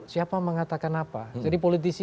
siapa mengatakan apa jadi politisi